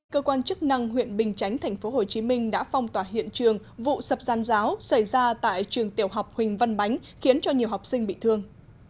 cơ quan chức năng huyện bình chánh tp hcm đã phong tỏa hiện trường vụ sập giàn giáo xảy ra tại trường tiểu học huỳnh văn bánh khiến cho nhiều học sinh bị thương